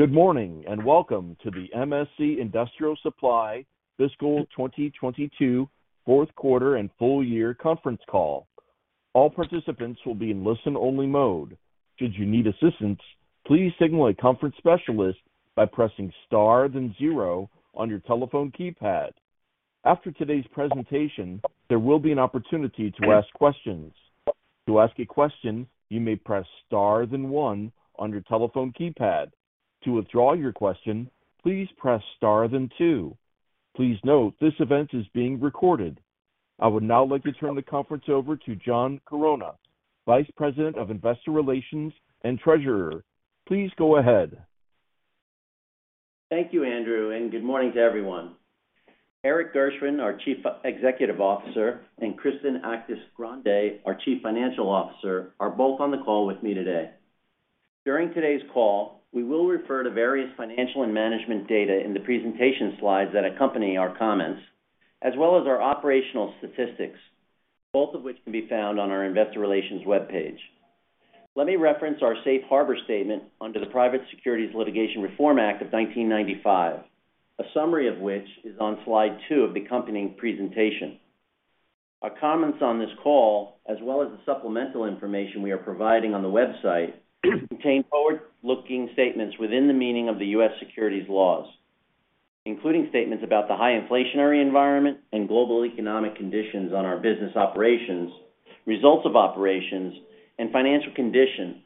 Good morning, and welcome to the MSC Industrial Direct Fiscal 2022 fourth quarter and full year conference call. All participants will be in listen-only mode. Should you need assistance, please signal a conference specialist by pressing star, then zero on your telephone keypad. After today's presentation, there will be an opportunity to ask questions. To ask a question, you may press star then one on your telephone keypad. To withdraw your question, please press star then two. Please note this event is being recorded. I would now like to turn the conference over to John Chironna, Vice President of Investor Relations and Treasurer. Please go ahead. Thank you, Andrew, and good morning to everyone. Erik Gershwind, our Chief Executive Officer, and Kristen Actis-Grande, our Chief Financial Officer, are both on the call with me today. During today's call, we will refer to various financial and management data in the presentation slides that accompany our comments, as well as our operational statistics, both of which can be found on our investor relations webpage. Let me reference our safe harbor statement under the Private Securities Litigation Reform Act of 1995. A summary of which is on slide two of the accompanying presentation. Our comments on this call, as well as the supplemental information we are providing on the website, contain forward-looking statements within the meaning of the U.S. securities laws, including statements about the high inflationary environment and global economic conditions on our business operations, results of operations and financial condition,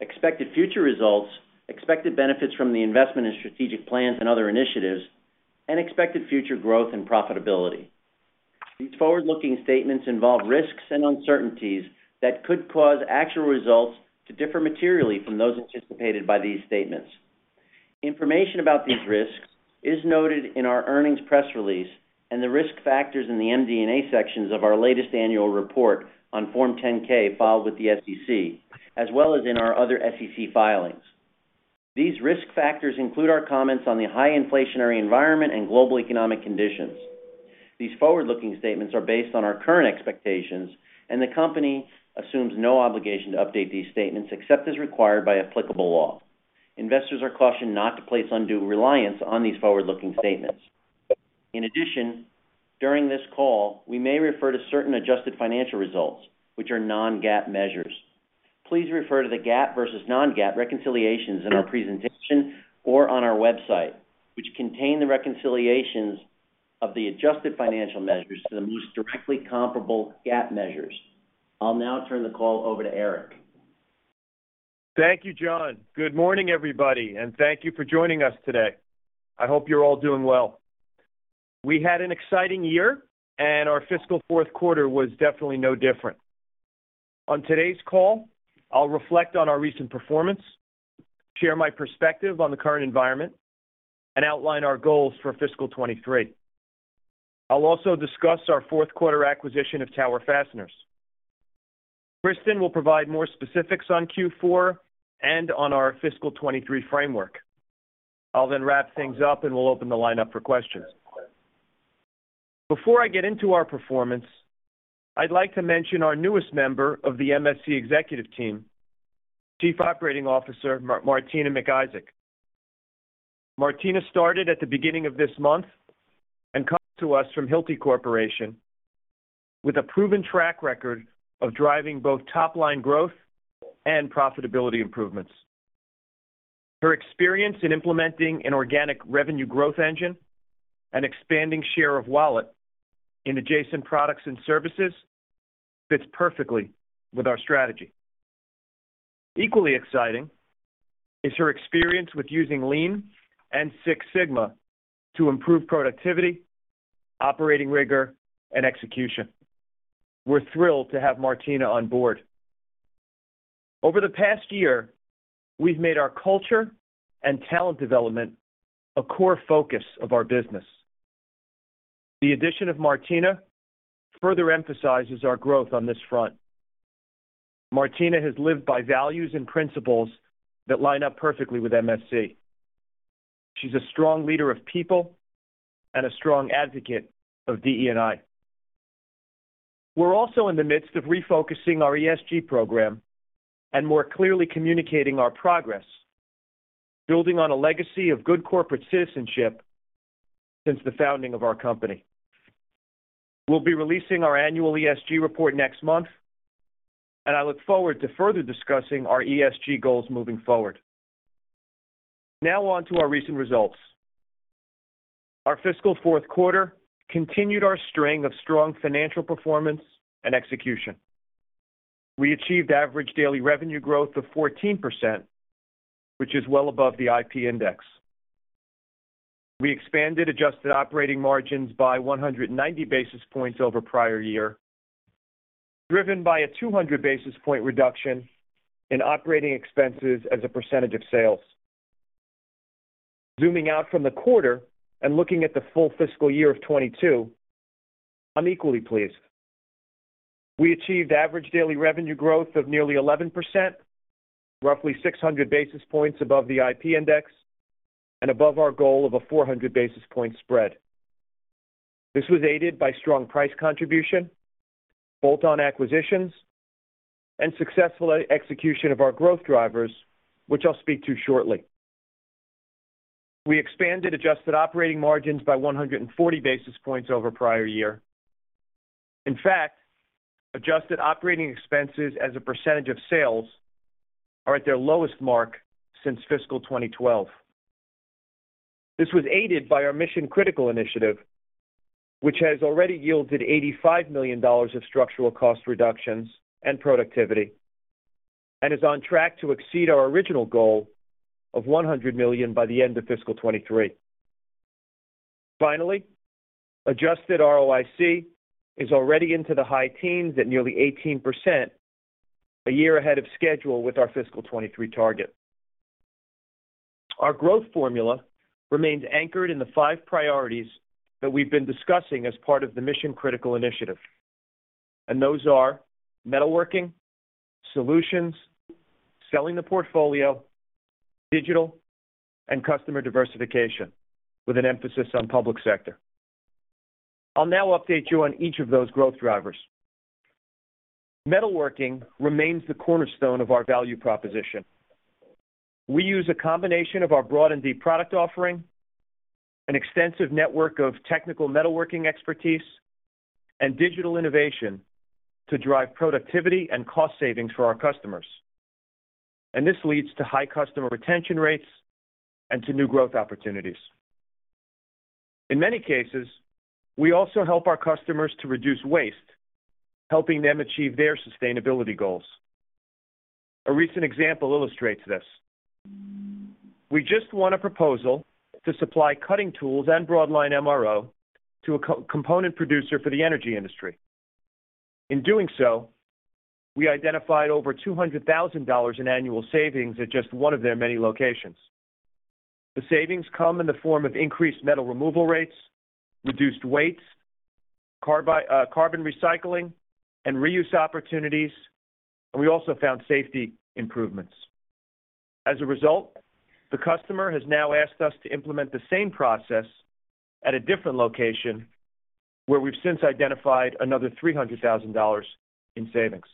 expected future results, expected benefits from the investment in strategic plans and other initiatives, and expected future growth and profitability. These forward-looking statements involve risks and uncertainties that could cause actual results to differ materially from those anticipated by these statements. Information about these risks is noted in our earnings press release and the Risk factors in the MD&A sections of our latest annual report on Form 10-K filed with the SEC, as well as in our other SEC filings. These risk factors include our comments on the high inflationary environment and global economic conditions. These forward-looking statements are based on our current expectations, and the company assumes no obligation to update these statements except as required by applicable law. Investors are cautioned not to place undue reliance on these forward-looking statements. In addition, during this call, we may refer to certain adjusted financial results, which are non-GAAP measures. Please refer to the GAAP versus non-GAAP reconciliations in our presentation or on our website, which contain the reconciliations of the adjusted financial measures to the most directly comparable GAAP measures. I'll now turn the call over to Erik. Thank you, John. Good morning, everybody, and thank you for joining us today. I hope you're all doing well. We had an exciting year, and our fiscal fourth quarter was definitely no different. On today's call, I'll reflect on our recent performance, share my perspective on the current environment, and outline our goals for fiscal 2023. I'll also discuss our fourth quarter acquisition of Tower Fasteners. Kristen will provide more specifics on Q4 and on our fiscal 2023 framework. I'll then wrap things up, and we'll open the line up for questions. Before I get into our performance, I'd like to mention our newest member of the MSC executive team, Chief Operating Officer Martina McIsaac. Martina started at the beginning of this month and comes to us from Hilti Corporation with a proven track record of driving both top-line growth and profitability improvements. Her experience in implementing an organic revenue growth engine and expanding share of wallet in adjacent products and services fits perfectly with our strategy. Equally exciting is her experience with using Lean and Six Sigma to improve productivity, operating rigor, and execution. We're thrilled to have Martina on board. Over the past year, we've made our culture and talent development a core focus of our business. The addition of Martina further emphasizes our growth on this front. Martina has lived by values and principles that line up perfectly with MSC. She's a strong leader of people and a strong advocate of DE&I. We're also in the midst of refocusing our ESG program and more clearly communicating our progress, building on a legacy of good corporate citizenship since the founding of our company. We'll be releasing our annual ESG report next month, and I look forward to further discussing our ESG goals moving forward. Now on to our recent results. Our fiscal fourth quarter continued our string of strong financial performance and execution. We achieved average daily revenue growth of 14%, which is well above the IP index. We expanded adjusted operating margins by 190 basis points over prior year, driven by a 200 basis points reduction in operating expenses as a percentage of sales. Zooming out from the quarter and looking at the full fiscal year of 2022, I'm equally pleased. We achieved average daily revenue growth of nearly 11%, roughly 600 basis points above the IP index and above our goal of a 400 basis point spread. This was aided by strong price contribution, bolt-on acquisitions, and successful execution of our growth drivers, which I'll speak to shortly. We expanded adjusted operating margins by 140 basis points over prior year. In fact, adjusted operating expenses as a percentage of sales are at their lowest mark since fiscal 2012. This was aided by our Mission Critical initiative, which has already yielded $85 million of structural cost reductions and productivity, and is on track to exceed our original goal of $100 million by the end of fiscal 2023. Finally, adjusted ROIC is already into the high teens at nearly 18%, a year ahead of schedule with our fiscal 2023 target. Our growth formula remains anchored in the five priorities that we've been discussing as part of the Mission Critical initiative, and those are metalworking, solutions, selling the portfolio, digital, and customer diversification, with an emphasis on public sector. I'll now update you on each of those growth drivers. Metalworking remains the cornerstone of our value proposition. We use a combination of our broad and deep product offering, an extensive network of technical metalworking expertise, and digital innovation to drive productivity and cost savings for our customers. This leads to high customer retention rates and to new growth opportunities. In many cases, we also help our customers to reduce waste, helping them achieve their sustainability goals. A recent example illustrates this. We just won a proposal to supply cutting tools and broadline MRO to a component producer for the energy industry. In doing so, we identified over $200,000 in annual savings at just one of their many locations. The savings come in the form of increased metal removal rates, reduced weights, carbon recycling, and reuse opportunities. We also found safety improvements. As a result, the customer has now asked us to implement the same process at a different location, where we've since identified another $300,000 in savings.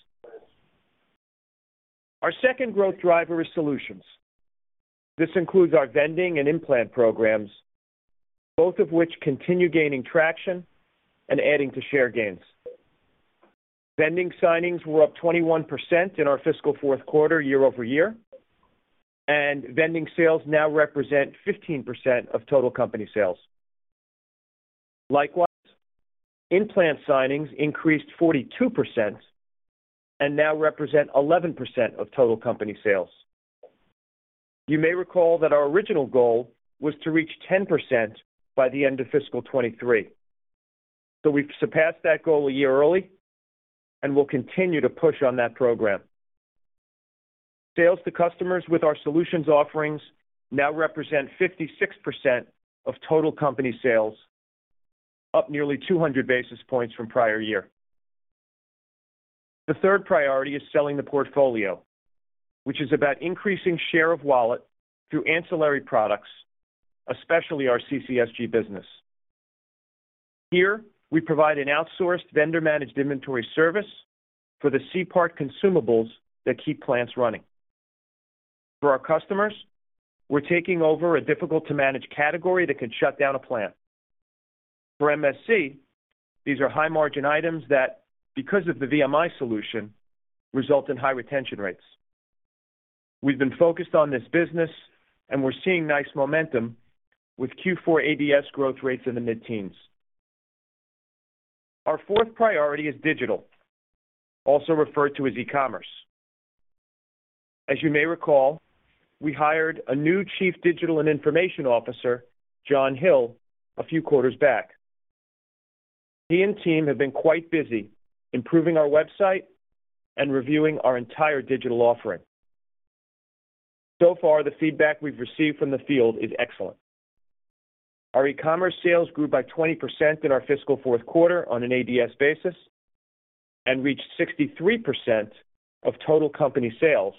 Our second growth driver is solutions. This includes our vending and In-Plant programs, both of which continue gaining traction and adding to share gains. Vending signings were up 21% in our fiscal fourth quarter year-over-year, and vending sales now represent 15% of total company sales. Likewise, In-Plant signings increased 42% and now represent 11% of total company sales. You may recall that our original goal was to reach 10% by the end of fiscal 2023. We've surpassed that goal a year early, and we'll continue to push on that program. Sales to customers with our solutions offerings now represent 56% of total company sales, up nearly 200 basis points from prior year. The third priority is selling the portfolio, which is about increasing share of wallet through ancillary products, especially our CCSG business. Here, we provide an outsourced vendor-managed inventory service for the C-part consumables that keep plants running. For our customers, we're taking over a difficult-to-manage category that can shut down a plant. For MSC, these are high-margin items that, because of the VMI solution, result in high retention rates. We've been focused on this business, and we're seeing nice momentum with Q4 ADS growth rates in the mid-teens. Our fourth priority is digital, also referred to as e-commerce. As you may recall, we hired a new Chief Digital and Information Officer, John Hill, a few quarters back. He and team have been quite busy improving our website and reviewing our entire digital offering. So far, the feedback we've received from the field is excellent. Our e-commerce sales grew by 20% in our fiscal fourth quarter on an ADS basis and reached 63% of total company sales,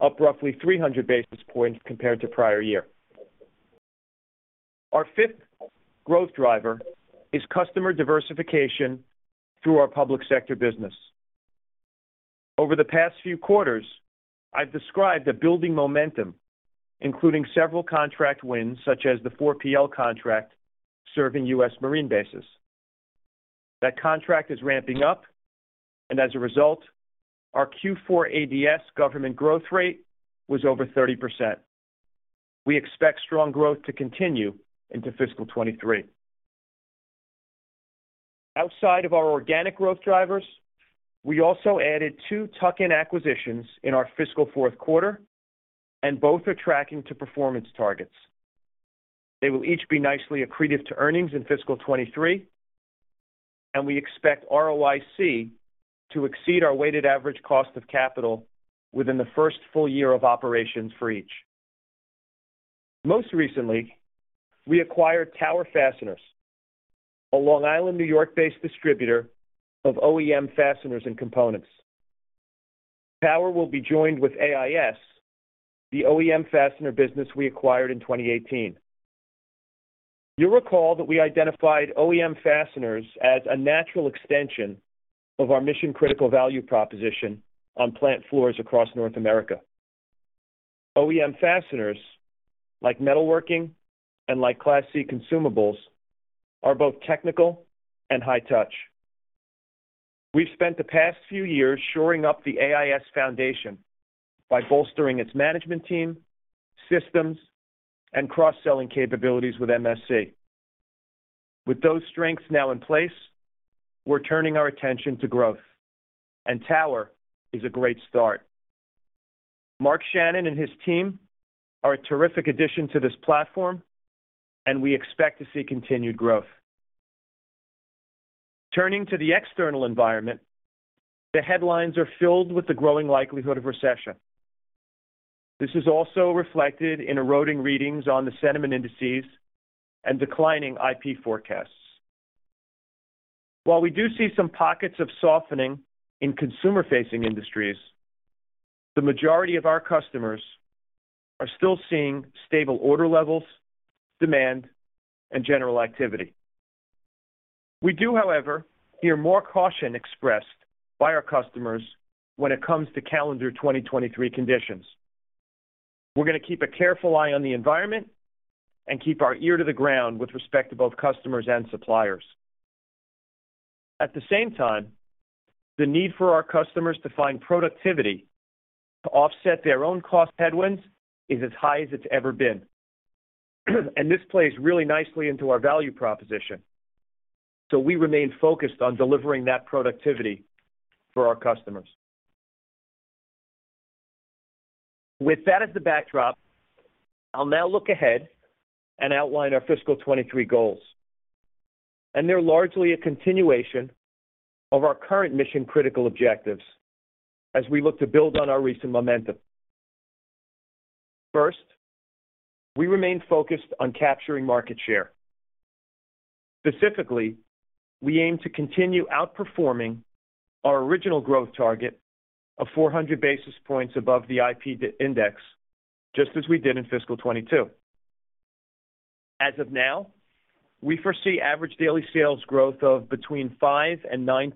up roughly 300 basis points compared to prior year. Our fifth growth driver is customer diversification through our public sector business. Over the past few quarters, I've described the building momentum, including several contract wins, such as the 4PL contract serving U.S. Marine bases. That contract is ramping up, and as a result, our Q4 ADS government growth rate was over 30%. We expect strong growth to continue into fiscal 2023. Outside of our organic growth drivers, we also added two tuck-in acquisitions in our fiscal fourth quarter, and both are tracking to performance targets. They will each be nicely accretive to earnings in fiscal 2023, and we expect ROIC to exceed our weighted average cost of capital within the first full year of operations for each. Most recently, we acquired Tower Fasteners, a Long Island, New York-based distributor of OEM fasteners and components. Tower will be joined with AIS, the OEM fastener business we acquired in 2018. You'll recall that we identified OEM fasteners as a natural extension of our Mission Critical value proposition on plant floors across North America. OEM fasteners, like metalworking and like Class C consumables, are both technical and high touch. We've spent the past few years shoring up the AIS foundation by bolstering its management team, systems, and cross-selling capabilities with MSC. With those strengths now in place, we're turning our attention to growth, and Tower is a great start. Mark Shannon and his team are a terrific addition to this platform, and we expect to see continued growth. Turning to the external environment, the headlines are filled with the growing likelihood of recession. This is also reflected in eroding readings on the sentiment indices and declining IP forecasts. While we do see some pockets of softening in consumer-facing industries, the majority of our customers are still seeing stable order levels, demand, and general activity. We do, however, hear more caution expressed by our customers when it comes to calendar 2023 conditions. We're gonna keep a careful eye on the environment and keep our ear to the ground with respect to both customers and suppliers. At the same time, the need for our customers to find productivity to offset their own cost headwinds is as high as it's ever been. This plays really nicely into our value proposition. We remain focused on delivering that productivity for our customers. With that as the backdrop, I'll now look ahead and outline our fiscal 2023 goals. They're largely a continuation of our current Mission Critical objectives as we look to build on our recent momentum. First, we remain focused on capturing market share. Specifically, we aim to continue outperforming our original growth target of 400 basis points above the IPI index, just as we did in fiscal 2022. As of now, we foresee average daily sales growth of between 5% and 9%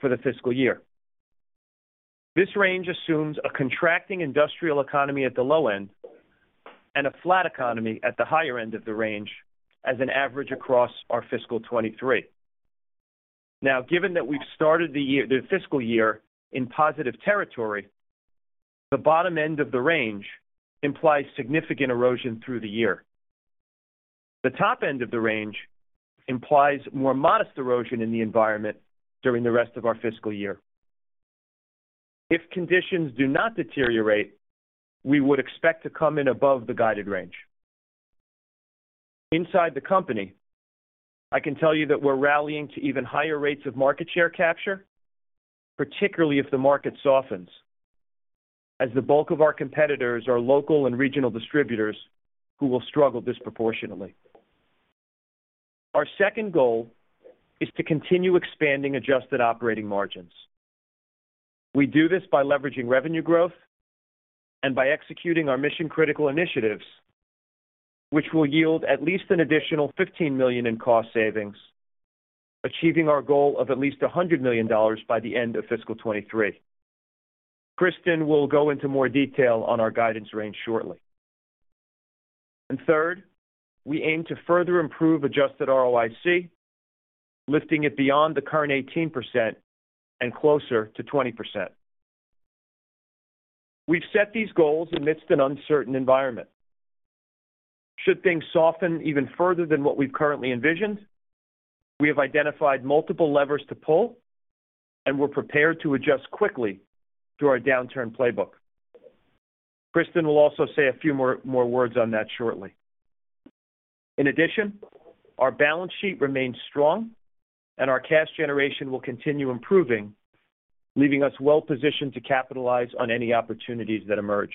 for the fiscal year. This range assumes a contracting industrial economy at the low end and a flat economy at the higher end of the range as an average across our fiscal 2023. Now, given that we've started the fiscal year in positive territory, the bottom end of the range implies significant erosion through the year. The top end of the range implies more modest erosion in the environment during the rest of our fiscal year. If conditions do not deteriorate, we would expect to come in above the guided range. Inside the company, I can tell you that we're rallying to even higher rates of market share capture, particularly if the market softens, as the bulk of our competitors are local and regional distributors who will struggle disproportionately. Our second goal is to continue expanding adjusted operating margins. We do this by leveraging revenue growth and by executing our Mission Critical initiatives, which will yield at least an additional $15 million in cost savings, achieving our goal of at least $100 million by the end of fiscal 2023. Kristen will go into more detail on our guidance range shortly. Third, we aim to further improve adjusted ROIC, lifting it beyond the current 18% and closer to 20%. We've set these goals amidst an uncertain environment. Should things soften even further than what we've currently envisioned, we have identified multiple levers to pull, and we're prepared to adjust quickly through our downturn playbook. Kristen will also say a few more words on that shortly. In addition, our balance sheet remains strong, and our cash generation will continue improving, leaving us well positioned to capitalize on any opportunities that emerge.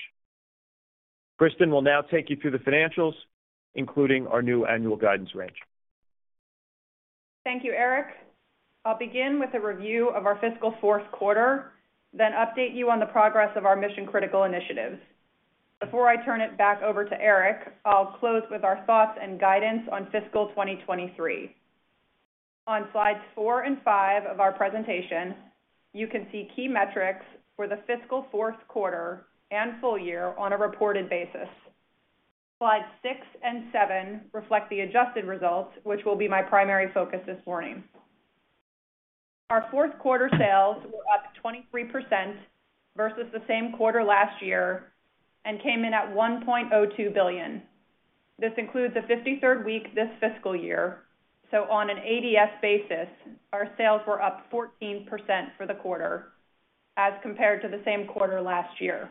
Kristen will now take you through the financials, including our new annual guidance range. Thank you, Erik. I'll begin with a review of our fiscal fourth quarter, then update you on the progress of our Mission Critical initiatives. Before I turn it back over to Erik, I'll close with our thoughts and guidance on fiscal 2023. On slides four and five of our presentation, you can see key metrics for the fiscal fourth quarter and full year on a reported basis. slides six and seven reflect the adjusted results, which will be my primary focus this morning. Our fourth quarter sales were up 23% versus the same quarter last year and came in at $1.02 billion. This includes the 53rd week this fiscal year, so on an ADS basis, our sales were up 14% for the quarter as compared to the same quarter last year.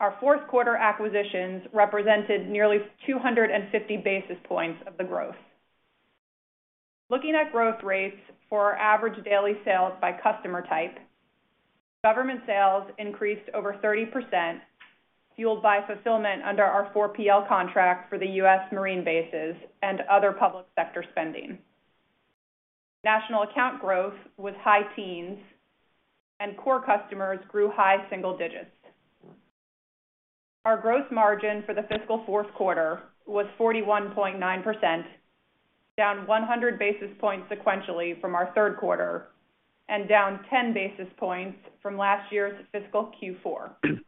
Our fourth quarter acquisitions represented nearly 250 basis points of the growth. Looking at growth rates for our average daily sales by customer type, government sales increased over 30%. Fueled by fulfillment under our 4PL contract for the U.S. Marine bases and other public sector spending. National account growth was high teens, and core customers grew high single digits. Our gross margin for the fiscal fourth quarter was 41.9%, down 100 basis points sequentially from our third quarter and down 10 basis points from last year's fiscal Q4.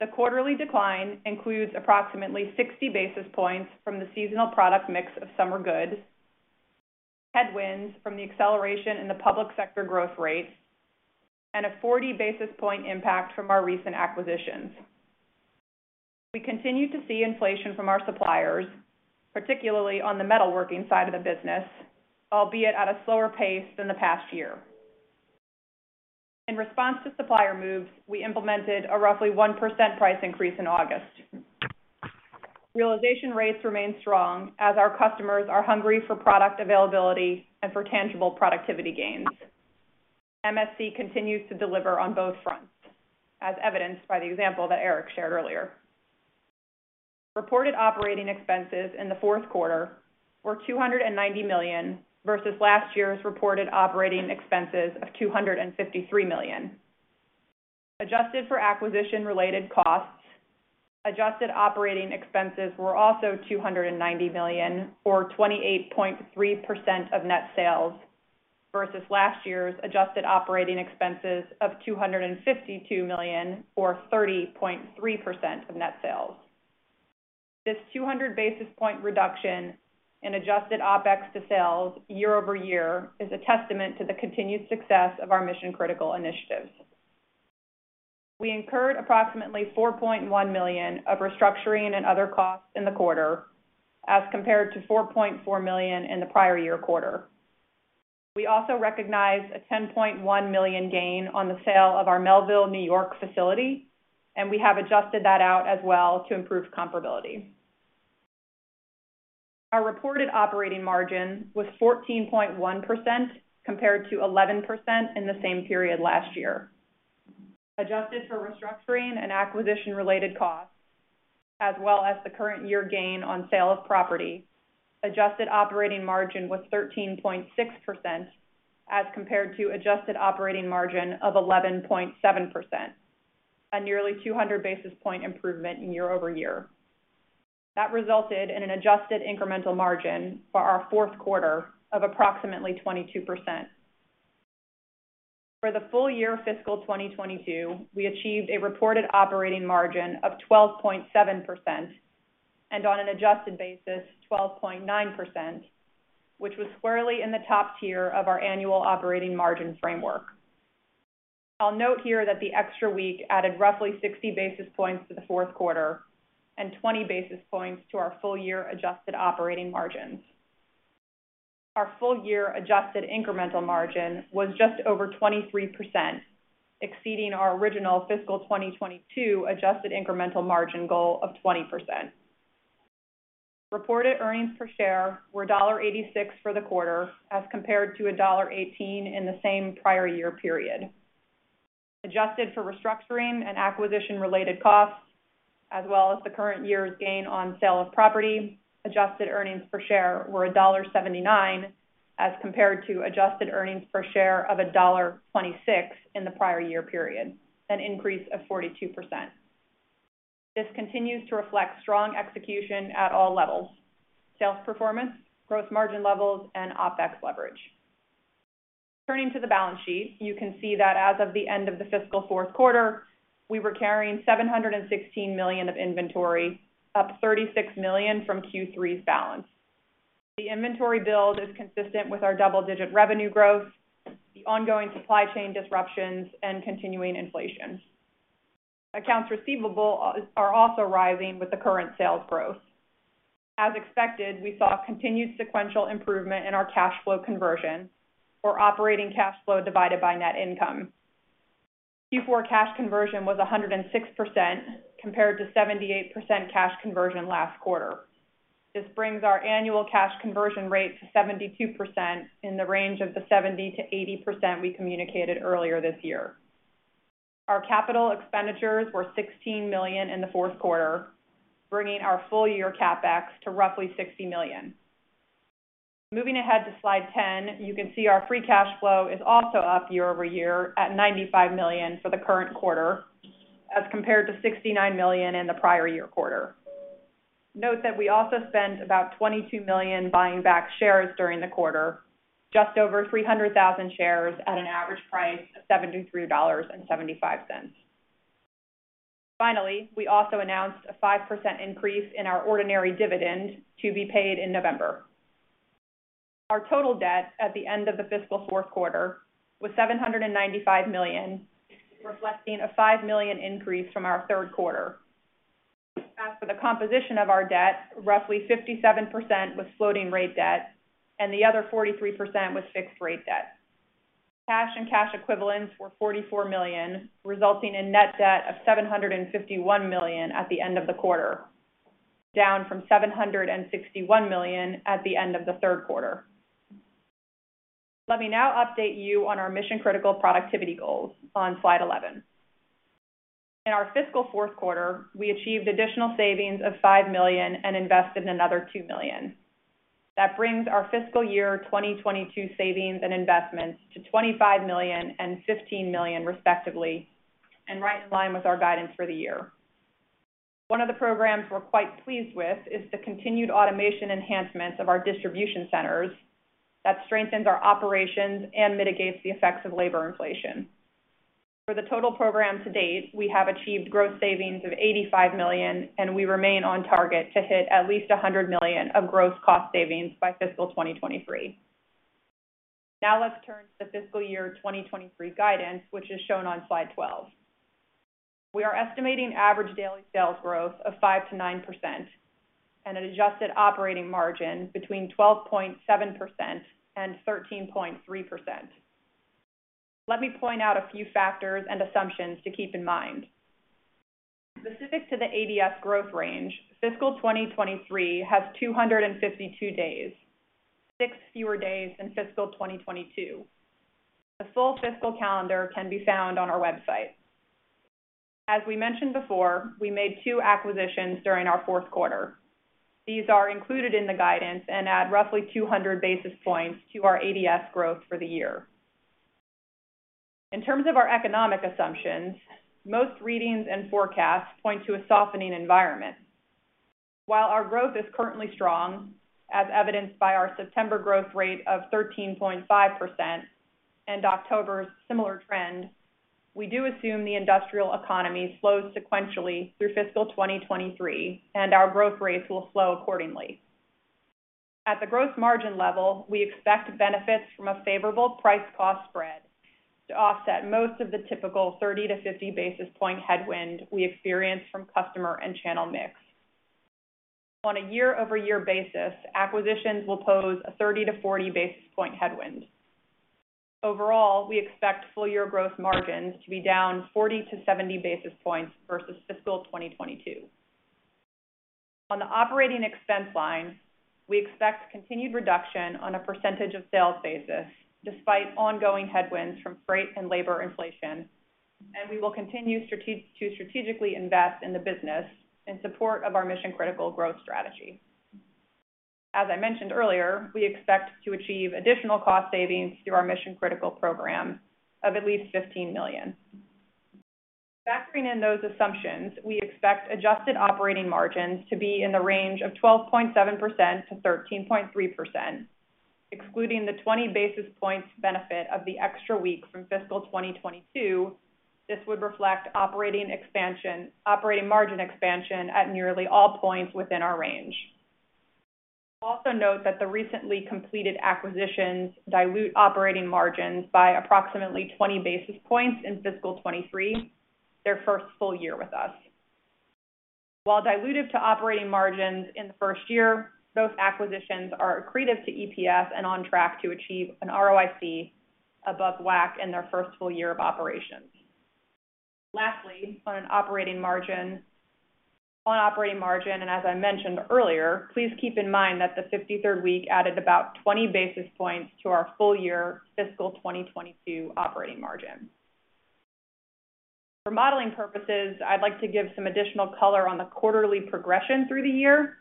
The quarterly decline includes approximately 60 basis points from the seasonal product mix of summer goods, headwinds from the acceleration in the public sector growth rate, and a 40 basis point impact from our recent acquisitions. We continue to see inflation from our suppliers, particularly on the metalworking side of the business, albeit at a slower pace than the past year. In response to supplier moves, we implemented a roughly 1% price increase in August. Realization rates remain strong as our customers are hungry for product availability and for tangible productivity gains. MSC continues to deliver on both fronts, as evidenced by the example that Erik shared earlier. Reported operating expenses in the fourth quarter were $290 million versus last year's reported operating expenses of $253 million. Adjusted for acquisition-related costs, adjusted operating expenses were also $290 million, or 28.3% of net sales versus last year's adjusted operating expenses of $252 million, or 30.3% of net sales. This 200 basis points reduction in adjusted OpEx to sales year-over-year is a testament to the continued success of our Mission Critical initiatives. We incurred approximately $4.1 million of restructuring and other costs in the quarter as compared to $4.4 million in the prior year quarter. We also recognized a $10.1 million gain on the sale of our Melville, New York facility, and we have adjusted that out as well to improve comparability. Our reported operating margin was 14.1% compared to 11% in the same period last year. Adjusted for restructuring and acquisition related costs, as well as the current year gain on sale of property, adjusted operating margin was 13.6% as compared to adjusted operating margin of 11.7%, a nearly 200 basis points improvement in year-over-year. That resulted in an adjusted incremental margin for our fourth quarter of approximately 22%. For the full year fiscal 2022, we achieved a reported operating margin of 12.7% and on an adjusted basis, 12.9%, which was squarely in the top tier of our annual operating margin framework. I'll note here that the extra week added roughly 60 basis points to the fourth quarter and 20 basis points to our full year adjusted operating margins. Our full year adjusted incremental margin was just over 23%, exceeding our original fiscal 2022 adjusted incremental margin goal of 20%. Reported earnings per share were $0.86 for the quarter as compared to $0.18 in the same prior year period. Adjusted for restructuring and acquisition related costs, as well as the current year's gain on sale of property, adjusted earnings per share were $1.79 as compared to adjusted earnings per share of $1.26 in the prior year period, an increase of 42%. This continues to reflect strong execution at all levels, sales performance, gross margin levels, and OpEx leverage. Turning to the balance sheet, you can see that as of the end of the fiscal fourth quarter, we were carrying $716 million of inventory, up $36 million from Q3's balance. The inventory build is consistent with our double-digit revenue growth, the ongoing supply chain disruptions, and continuing inflation. Accounts receivable are also rising with the current sales growth. As expected, we saw continued sequential improvement in our cash flow conversion or operating cash flow divided by net income. Q4 cash conversion was 106% compared to 78% cash conversion last quarter. This brings our annual cash conversion rate to 72% in the range of the 70%-80% we communicated earlier this year. Our capital expenditures were $16 million in the fourth quarter, bringing our full year CapEx to roughly $60 million. Moving ahead to slide 10, you can see our free cash flow is also up year-over-year at $95 million for the current quarter as compared to $69 million in the prior year quarter. Note that we also spent about $22 million buying back shares during the quarter, just over 300,000 shares at an average price of $73.75. Finally, we also announced a 5% increase in our ordinary dividend to be paid in November. Our total debt at the end of the fiscal fourth quarter was $795 million, reflecting a $5 million increase from our third quarter. As for the composition of our debt, roughly 57% was floating rate debt, and the other 43% was fixed rate debt. Cash and cash equivalents were $44 million, resulting in net debt of $751 million at the end of the quarter, down from $761 million at the end of the third quarter. Let me now update you on our Mission Critical productivity goals on slide 11. In our fiscal fourth quarter, we achieved additional savings of $5 million and invested another $2 million. That brings our fiscal year 2022 savings and investments to $25 million and $15 million respectively, and right in line with our guidance for the year. One of the programs we're quite pleased with is the continued automation enhancements of our distribution centers that strengthens our operations and mitigates the effects of labor inflation. For the total program to date, we have achieved gross savings of $85 million, and we remain on target to hit at least $100 million of gross cost savings by fiscal 2023. Now let's turn to the fiscal year 2023 guidance, which is shown on slide 12. We are estimating average daily sales growth of 5%-9% and an adjusted operating margin between 12.7% and 13.3%. Let me point out a few factors and assumptions to keep in mind. Specific to the ADS growth range, fiscal 2023 has 252 days, six fewer days than fiscal 2022. The full fiscal calendar can be found on our website. As we mentioned before, we made two acquisitions during our fourth quarter. These are included in the guidance and add roughly 200 basis points to our ADS growth for the year. In terms of our economic assumptions, most readings and forecasts point to a softening environment. While our growth is currently strong, as evidenced by our September growth rate of 13.5% and October's similar trend, we do assume the industrial economy slows sequentially through fiscal 2023, and our growth rates will slow accordingly. At the gross margin level, we expect benefits from a favorable price cost spread to offset most of the typical 30 basis points-50 basis point headwind we experience from customer and channel mix. On a year-over-year basis, acquisitions will pose a 30 basis points-40 basis point headwind. Overall, we expect full year growth margins to be down 40 basis points-70 basis points versus fiscal 2022. On the operating expense line, we expect continued reduction on a percentage of sales basis despite ongoing headwinds from freight and labor inflation, and we will continue to strategically invest in the business in support of our Mission Critical growth strategy. As I mentioned earlier, we expect to achieve additional cost savings through our Mission Critical program of at least $15 million. Factoring in those assumptions, we expect adjusted operating margins to be in the range of 12.7%-13.3%. Excluding the 20 basis points benefit of the extra week from fiscal 2022, this would reflect operating margin expansion at nearly all points within our range. Also note that the recently completed acquisitions dilute operating margins by approximately 20 basis points in fiscal 2023, their first full year with us. While dilutive to operating margins in the first year, both acquisitions are accretive to EPS and on track to achieve an ROIC above WACC in their first full year of operations. Lastly, on operating margin, and as I mentioned earlier, please keep in mind that the 53rd week added about 20 basis points to our full year fiscal 2022 operating margin. For modeling purposes, I'd like to give some additional color on the quarterly progression through the year.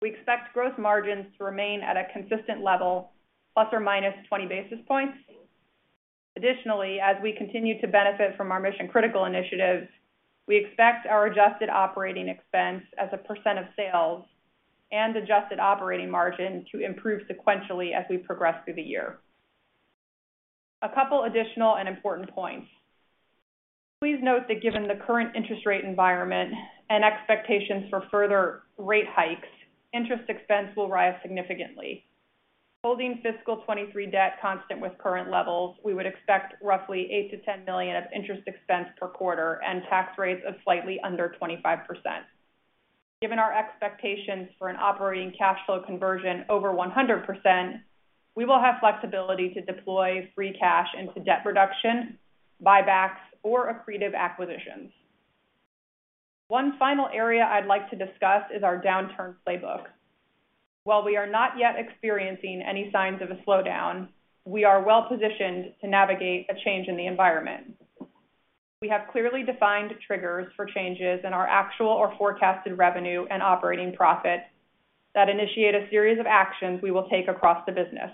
We expect growth margins to remain at a consistent level plus or minus 20 basis points. Additionally, as we continue to benefit from our Mission Critical initiatives, we expect our adjusted operating expense as a percent of sales and adjusted operating margin to improve sequentially as we progress through the year. A couple additional and important points. Please note that given the current interest rate environment and expectations for further rate hikes, interest expense will rise significantly. Holding fiscal 2023 debt constant with current levels, we would expect roughly $8 million-$10 million of interest expense per quarter and tax rates of slightly under 25%. Given our expectations for an operating cash flow conversion over 100%, we will have flexibility to deploy free cash into debt reduction, buybacks, or accretive acquisitions. One final area I'd like to discuss is our downturn playbook. While we are not yet experiencing any signs of a slowdown, we are well positioned to navigate a change in the environment. We have clearly defined triggers for changes in our actual or forecasted revenue and operating profit that initiate a series of actions we will take across the business.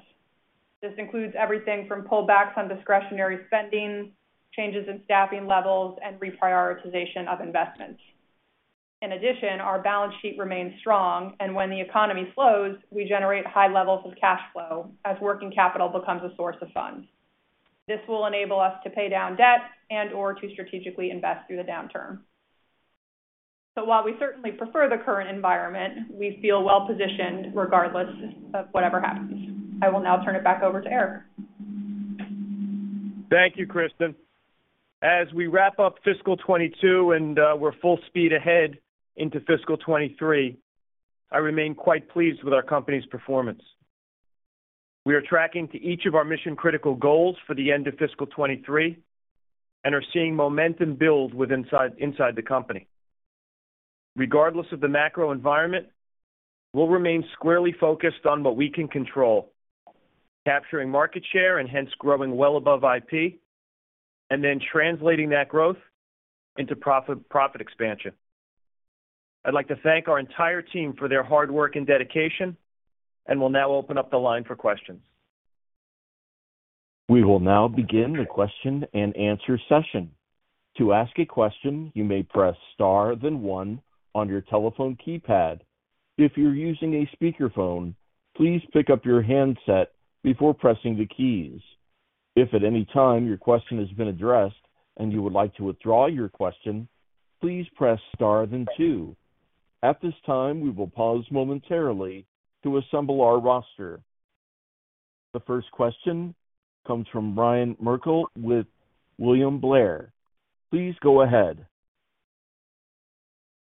This includes everything from pullbacks on discretionary spending, changes in staffing levels, and reprioritization of investments. In addition, our balance sheet remains strong, and when the economy slows, we generate high levels of cash flow as working capital becomes a source of funds. This will enable us to pay down debt and or to strategically invest through the downturn. While we certainly prefer the current environment, we feel well positioned regardless of whatever happens. I will now turn it back over to Erik. Thank you, Kristen. As we wrap up fiscal 2022 and we're full speed ahead into fiscal 2023, I remain quite pleased with our company's performance. We are tracking to each of our Mission Critical goals for the end of fiscal 2023 and are seeing momentum build inside the company. Regardless of the macro environment, we'll remain squarely focused on what we can control, capturing market share and hence growing well above IP, and then translating that growth into profit expansion. I'd like to thank our entire team for their hard work and dedication, and we'll now open up the line for questions. We will now begin the question and answer session. To ask a question, you may press star then one on your telephone keypad. If you're using a speakerphone, please pick up your handset before pressing the keys. If at any time your question has been addressed and you would like to withdraw your question, please press star then two. At this time, we will pause momentarily to assemble our roster. The first question comes from Ryan Merkel with William Blair. Please go ahead.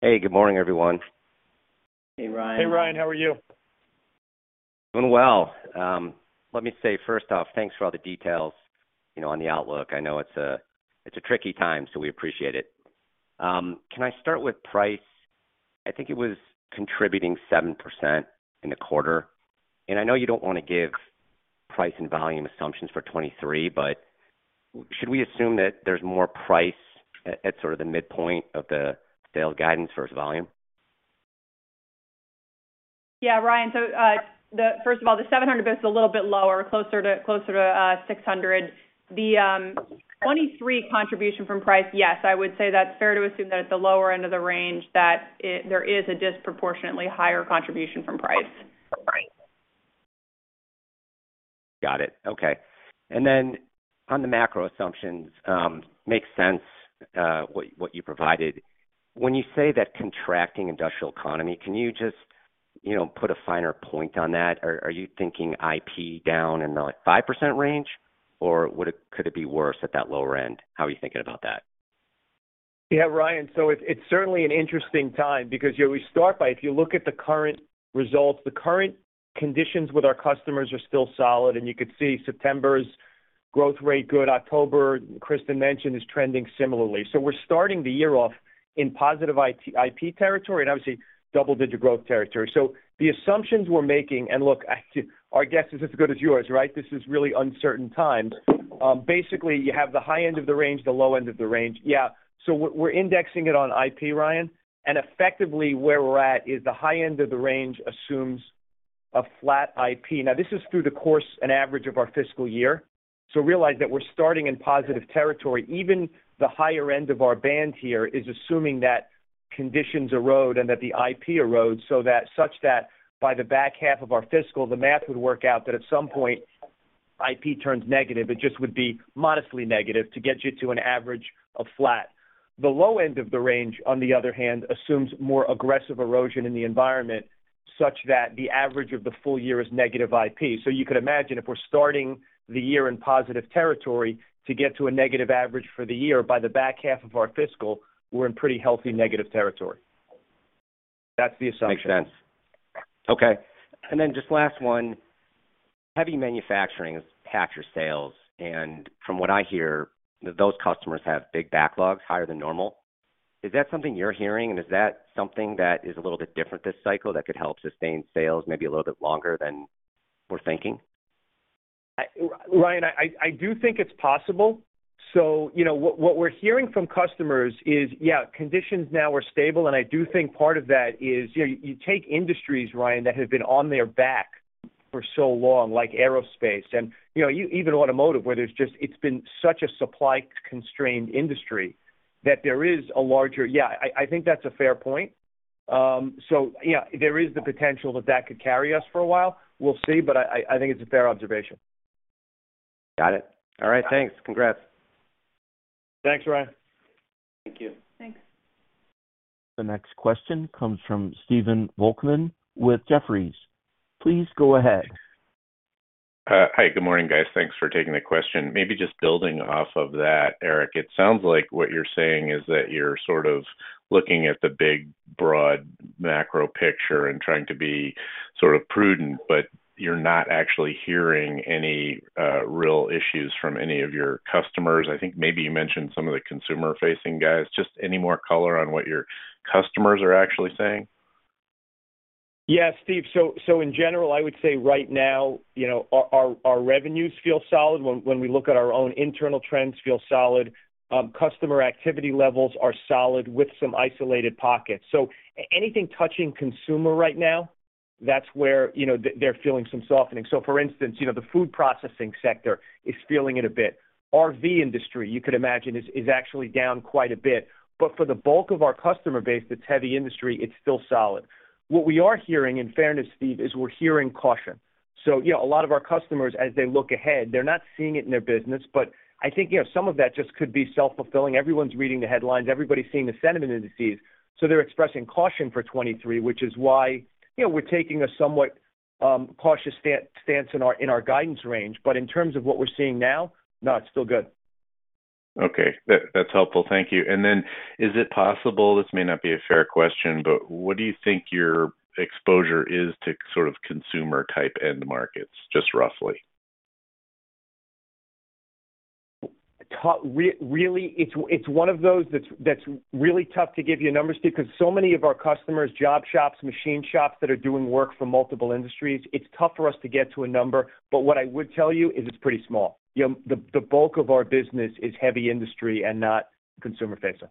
Hey, good morning, everyone. Hey, Ryan. Hey, Ryan. How are you? Doing well. Let me say first off, thanks for all the details, you know, on the outlook. I know it's a tricky time, so we appreciate it. Can I start with price? I think it was contributing 7% in the quarter. I know you don't wanna give price and volume assumptions for 2023, but should we assume that there's more price at sort of the midpoint of the sales guidance versus volume? Yeah, Ryan. First of all, the 700 basis is a little bit lower, closer to 600 basis. The 23 contribution from price, yes, I would say that's fair to assume that at the lower end of the range there is a disproportionately higher contribution from price. Got it. Okay. On the macro assumptions, makes sense, what you provided. When you say that contracting industrial economy, can you just, you know, put a finer point on that? Are you thinking IP down in the, like, 5% range? Or could it be worse at that lower end? How are you thinking about that? Yeah, Ryan. It's certainly an interesting time because, you know, we start by, if you look at the current results, the current conditions with our customers are still solid. You could see September's growth rate good. October, Kristen mentioned, is trending similarly. We're starting the year off in positive IP territory and obviously double-digit growth territory. The assumptions we're making. Look, our guess is as good as yours, right? This is really uncertain times. Basically, you have the high end of the range, the low end of the range. We're indexing it on IP, Ryan. Effectively, where we're at is the high end of the range assumes a flat IP. Now, this is through the course and average of our fiscal year, so realize that we're starting in positive territory. Even the higher end of our band here is assuming that conditions erode and that the IP erodes such that by the back half of our fiscal, the math would work out that at some point, IP turns negative. It just would be modestly negative to get you to an average of flat. The low end of the range, on the other hand, assumes more aggressive erosion in the environment such that the average of the full year is negative IP. You could imagine if we're starting the year in positive territory, to get to a negative average for the year, by the back half of our fiscal, we're in pretty healthy negative territory. That's the assumption. Makes sense. Okay. Just last one. Heavy manufacturing has had your sales, and from what I hear, those customers have big backlogs, higher than normal. Is that something you're hearing? Is that something that is a little bit different this cycle that could help sustain sales maybe a little bit longer than we're thinking? Ryan, I do think it's possible. You know, what we're hearing from customers is, yeah, conditions now are stable. I do think part of that is, you take industries, Ryan, that have been on their back for so long, like aerospace and, you know, even automotive, where it's just been such a supply constrained industry. Yeah, I think that's a fair point. Yeah, there is the potential that that could carry us for a while. We'll see, but I think it's a fair observation. Got it. All right. Thanks. Congrats. Thanks, Ryan. Thank you. Thanks. The next question comes from Stephen Volkmann with Jefferies. Please go ahead. Hi. Good morning, guys. Thanks for taking the question. Maybe just building off of that, Erik, it sounds like what you're saying is that you're sort of looking at the big broad macro picture and trying to be sort of prudent, but you're not actually hearing any real issues from any of your customers. I think maybe you mentioned some of the consumer-facing guys. Just any more color on what your customers are actually saying? Yeah, Steve. In general, I would say right now, you know, our revenues feel solid. When we look at our own internal trends, feel solid. Customer activity levels are solid with some isolated pockets. Anything touching consumer right now, that's where, you know, they're feeling some softening. For instance, you know, the food processing sector is feeling it a bit. RV industry, you could imagine, is actually down quite a bit. For the bulk of our customer base that's heavy industry, it's still solid. What we are hearing, in fairness, Steve, is we're hearing caution. You know, a lot of our customers as they look ahead, they're not seeing it in their business. I think, you know, some of that just could be self-fulfilling. Everyone's reading the headlines, everybody's seeing the sentiment indices, so they're expressing caution for 2023, which is why, you know, we're taking a somewhat cautious stance in our guidance range. But in terms of what we're seeing now, no, it's still good. Okay. That's helpful. Thank you. Is it possible, this may not be a fair question, but what do you think your exposure is to sort of consumer type end markets, just roughly? Really, it's one of those that's really tough to give you numbers because so many of our customers, job shops, machine shops that are doing work for multiple industries, it's tough for us to get to a number. What I would tell you is it's pretty small. You know, the bulk of our business is heavy industry and not consumer-facing.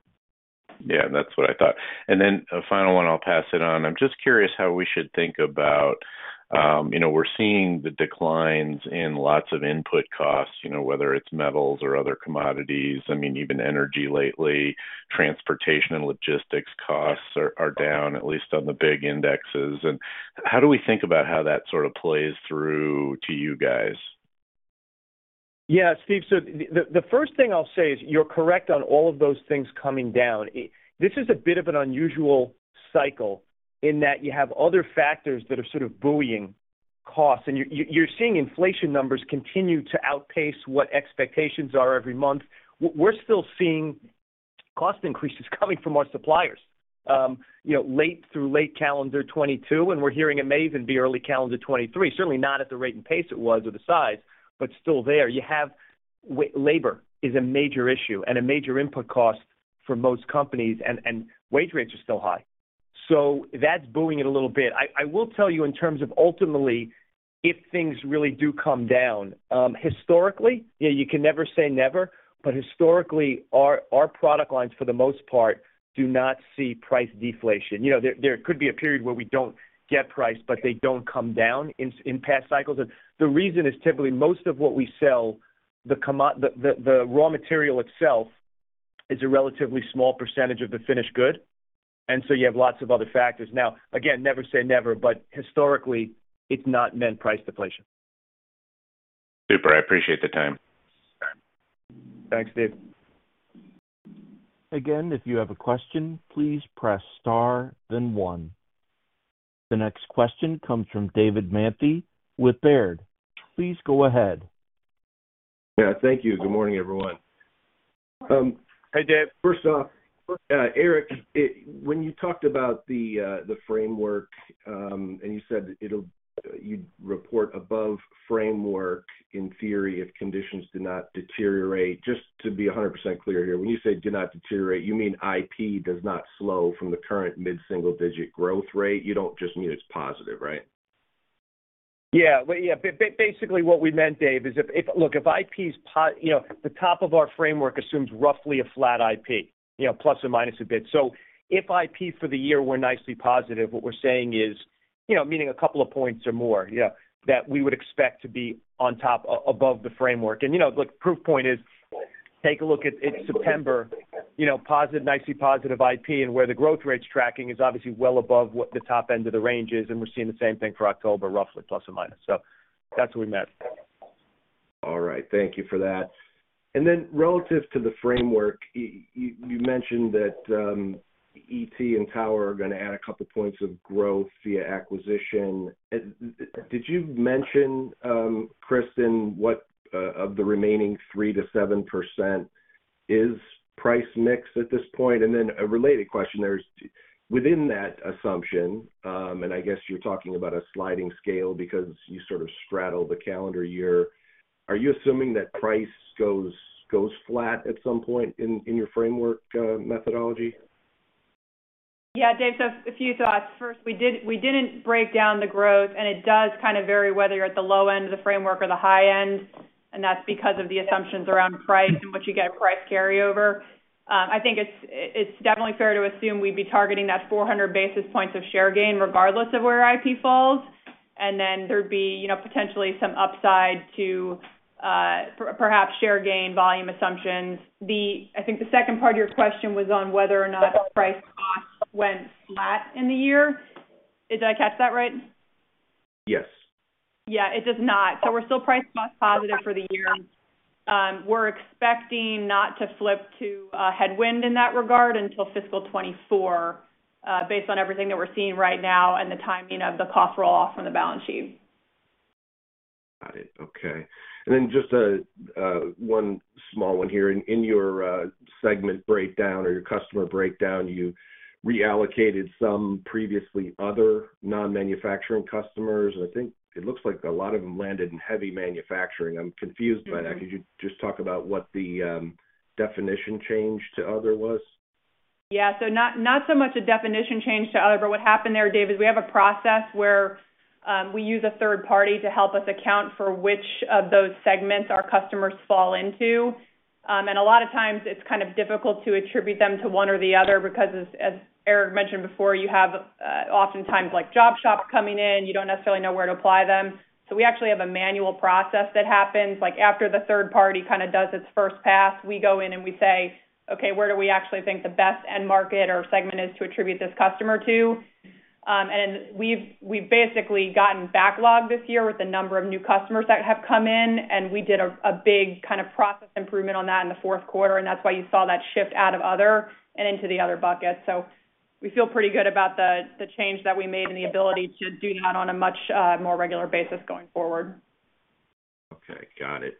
Yeah, that's what I thought. A final one, I'll pass it on. I'm just curious how we should think about, you know, we're seeing the declines in lots of input costs, you know, whether it's metals or other commodities. I mean, even energy lately, transportation and logistics costs are down, at least on the big indexes. How do we think about how that sort of plays through to you guys? Yeah, Steve. The first thing I'll say is you're correct on all of those things coming down. This is a bit of an unusual cycle in that you have other factors that are sort of buoying costs, and you're seeing inflation numbers continue to outpace what expectations are every month. We're still seeing cost increases coming from our suppliers, you know, late through late calendar 2022, and we're hearing it may even be early calendar 2023. Certainly not at the rate and pace it was or the size, but still there. You have labor is a major issue and a major input cost for most companies, and wage rates are still high. That's buoying it a little bit. I will tell you in terms of ultimately if things really do come down, historically, yeah, you can never say never, but historically, our product lines, for the most part, do not see price deflation. You know, there could be a period where we don't get price, but they don't come down in past cycles. The reason is typically most of what we sell the raw material itself is a relatively small percentage of the finished good, and so you have lots of other factors. Now, again, never say never, but historically, it's not been price deflation. Super. I appreciate the time. Thanks, Steve. Again, if you have a question, please press star then one. The next question comes from David Manthey with Baird. Please go ahead. Yeah, thank you. Good morning, everyone. Hi, Dave. First off, Erik, when you talked about the framework, and you said you'd report above framework in theory if conditions do not deteriorate, just to be 100% clear here, when you say do not deteriorate, you mean IP does not slow from the current mid-single digit growth rate. You don't just mean it's positive, right? Yeah. Well, yeah, basically what we meant, Dave, is if. Look, if IP's positive, you know, the top of our framework assumes roughly a flat IP, you know, plus or minus a bit. So if IP for the year were nicely positive, what we're saying is, you know, meaning a couple of points or more, yeah, that we would expect to be on top, above the framework. You know, look, proof point is take a look at it. It's September, you know, nicely positive IP, and where the growth rate's tracking is obviously well above what the top end of the range is, and we're seeing the same thing for October, roughly plus or minus. That's what we meant. All right. Thank you for that. Then relative to the framework, you mentioned that ET and Tower are gonna add a couple points of growth via acquisition. Did you mention, Kristen, what of the remaining 3%-7% is price mix at this point? Then a related question, there's within that assumption, and I guess you're talking about a sliding scale because you sort of straddle the calendar year, are you assuming that price goes flat at some point in your framework methodology? Yeah. David, so a few thoughts. First, we didn't break down the growth, and it does kind of vary whether you're at the low end of the framework or the high end, and that's because of the assumptions around price and what you get price carryover. I think it's definitely fair to assume we'd be targeting that 400 basis points of share gain regardless of where IP falls. Then there'd be, you know, potentially some upside to perhaps share gain volume assumptions. I think the second part of your question was on whether or not price cost went flat in the year. Did I catch that right? Yes. Yeah, it does not. We're still price plus positive for the year. We're expecting not to flip to a headwind in that regard until fiscal 2024, based on everything that we're seeing right now and the timing of the cost roll-off on the balance sheet. Got it. Okay. Just one small one here. In your segment breakdown or your customer breakdown, you reallocated some previously other non-manufacturing customers, and I think it looks like a lot of them landed in heavy manufacturing. I'm confused by that. Could you just talk about what the definition change to other was? Yeah. Not so much a definition change to other. What happened there, Dave, is we have a process where we use a third party to help us account for which of those segments our customers fall into. A lot of times it's kind of difficult to attribute them to one or the other because as Erik mentioned before, you have oftentimes like job shops coming in. You don't necessarily know where to apply them. We actually have a manual process that happens. Like, after the third party kinda does its first pass, we go in and we say, "Okay, where do we actually think the best end market or segment is to attribute this customer to?" We've basically gotten backlog this year with the number of new customers that have come in, and we did a big kind of process improvement on that in the fourth quarter, and that's why you saw that shift out of other and into the other bucket. We feel pretty good about the change that we made and the ability to do that on a much more regular basis going forward. Okay. Got it.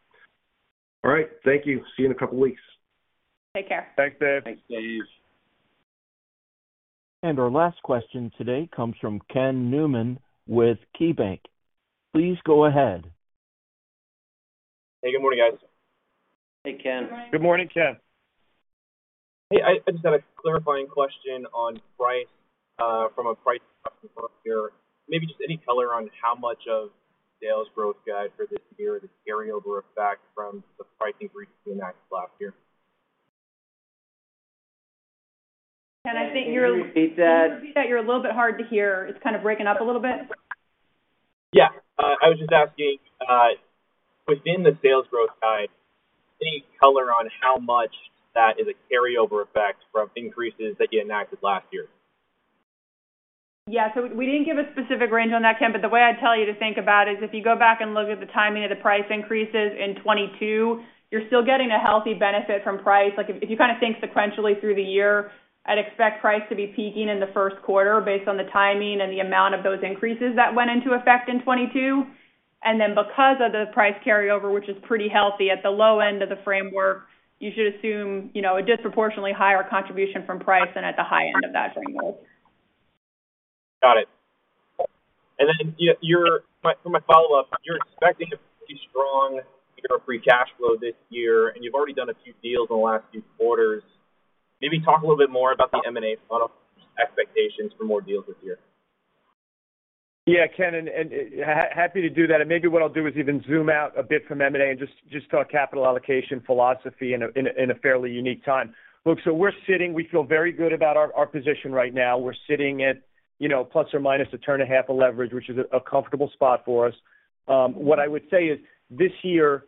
All right. Thank you. See you in a couple weeks. Take care. Thanks, Dave. Thanks, David. Our last question today comes from Ken Newman with KeyBanc. Please go ahead. Hey, good morning, guys. Hey, Ken. Good morning, Ken. Hey, I just had a clarifying question on price, from a price perspective here. Maybe just any color on how much of sales growth guide for this year is a carryover effect from the pricing increases you enacted last year. Ken, I think you're. Can you repeat that? Can you repeat that? You're a little bit hard to hear. It's kind of breaking up a little bit. Yeah. I was just asking, within the sales growth guide, any color on how much that is a carryover effect from increases that you enacted last year? Yeah. We didn't give a specific range on that, Ken, but the way I'd tell you to think about it is if you go back and look at the timing of the price increases in 2022, you're still getting a healthy benefit from price. Like, if you kinda think sequentially through the year, I'd expect price to be peaking in the first quarter based on the timing and the amount of those increases that went into effect in 2022. Then because of the price carryover, which is pretty healthy at the low end of the framework, you should assume, you know, a disproportionately higher contribution from price than at the high end of that framework. Got it. For my follow-up, you're expecting a pretty strong year of free cash flow this year, and you've already done a few deals in the last few quarters. Maybe talk a little bit more about the M&A funnel expectations for more deals this year. Ye.h, Ken, happy to do that. Maybe what I'll do is even zoom out a bit from M&A and just talk capital allocation philosophy in a fairly unique time. Look, we feel very good about our position right now. We're sitting at plus or minus a turn and a half of leverage, which is a comfortable spot for us. What I would say is this year,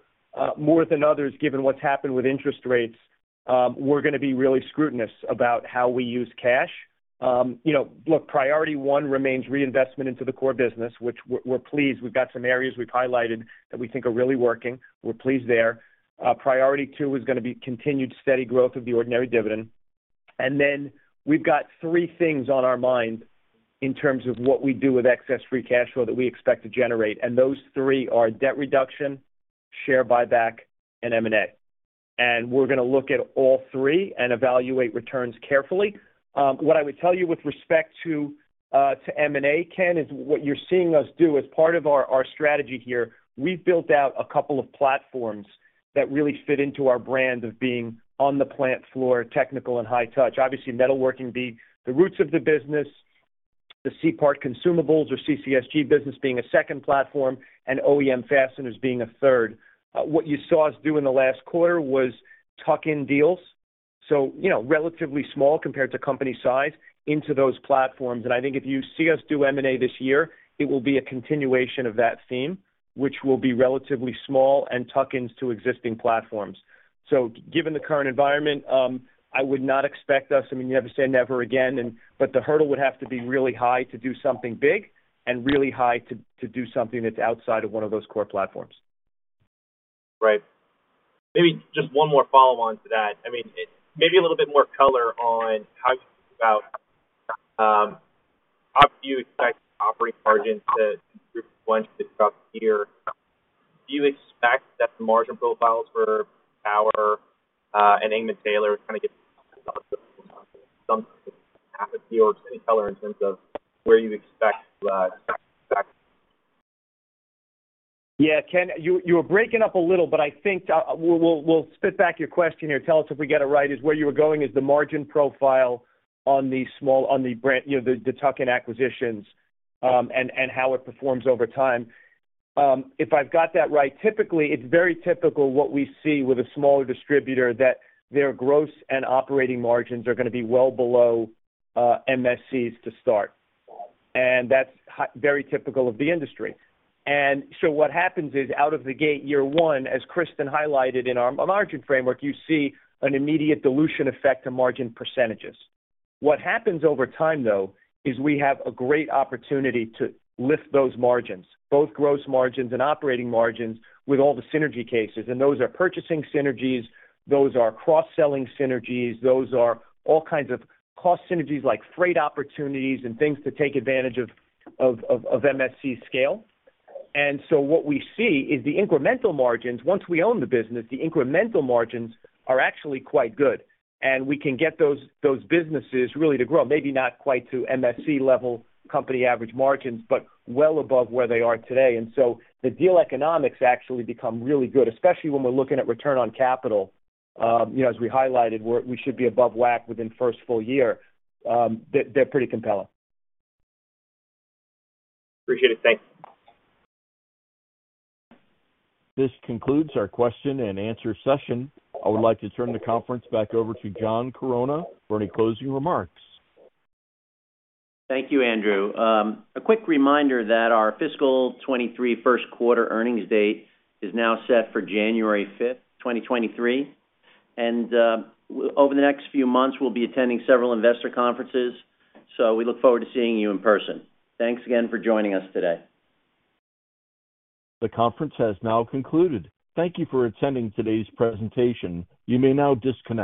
more than others, given what's happened with interest rates, we're gonna be really scrutinous about how we use cash. You know, look, priority one remains reinvestment into the core business, which we're pleased. We've got some areas we've highlighted that we think are really working. We're pleased there. Priority two is gonna be continued steady growth of the ordinary dividend. Then we've got three things on our mind in terms of what we do with excess free cash flow that we expect to generate, and those three are debt reduction, share buyback, and M&A. We're gonna look at all three and evaluate returns carefully. What I would tell you with respect to M&A, Ken, is what you're seeing us do as part of our strategy here, we've built out a couple of platforms that really fit into our brand of being on the plant floor, technical and high touch. Obviously, metalworking being the roots of the business, the C-part consumables or CCSG business being a second platform, and OEM fasteners being a third. What you saw us do in the last quarter was tuck-in deals, so, you know, relatively small compared to company size, into those platforms. I think if you see us do M&A this year, it will be a continuation of that theme, which will be relatively small and tuck-ins to existing platforms. Given the current environment, I would not expect us. I mean, you never say never again, but the hurdle would have to be really high to do something big and really high to do something that's outside of one of those core platforms. Right. Maybe just one more follow-on to that. I mean, maybe a little bit more color on how you think about, how do you expect operating margins to grow or to drop here? Do you expect that the margin profiles for Tower and Engman-Taylor any color in terms of where you'd expect the. Yeah, Ken, you were breaking up a little, but I think we'll spit back your question here. Tell us if we get it right. Is where you were going is the margin profile on the small on the brand, you know, the tuck-in acquisitions, and how it performs over time. If I've got that right, typically, it's very typical what we see with a smaller distributor, that their gross and operating margins are gonna be well below MSC's to start. That's very typical of the industry. What happens is, out of the gate year one, as Kristen highlighted in our margin framework, you see an immediate dilution effect to margin percentages. What happens over time, though, is we have a great opportunity to lift those margins, both gross margins and operating margins, with all the synergy cases. Those are purchasing synergies. Those are cross-selling synergies. Those are all kinds of cost synergies, like freight opportunities and things to take advantage of MSC's scale. What we see is the incremental margins. Once we own the business, the incremental margins are actually quite good, and we can get those businesses really to grow. Maybe not quite to MSC-level company average margins, but well above where they are today. The deal economics actually become really good, especially when we're looking at return on capital. You know, as we highlighted, we should be above WACC within first full year. They're pretty compelling. Appreciate it. Thank you. This concludes our question and answer session. I would like to turn the conference back over to John Chironna for any closing remarks. Thank you, Andrew. A quick reminder that our fiscal 2023 first quarter earnings date is now set for January 5th, 2023. Over the next few months, we'll be attending several investor conferences, so we look forward to seeing you in person. Thanks again for joining us today. The conference has now concluded. Thank you for attending today's presentation. You may now disconnect.